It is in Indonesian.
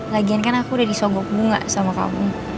lagian kan aku udah disogok bunga sama kamu